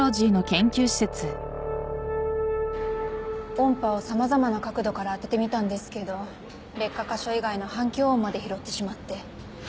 音波を様々な角度から当ててみたんですけど劣化箇所以外の反響音まで拾ってしまって。